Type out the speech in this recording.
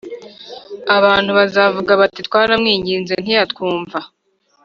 Abantu bazavuga bati twaramwingize ntiyatwumva